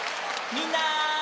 みんな！